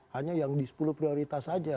hanya yang di sepuluh prioritas saja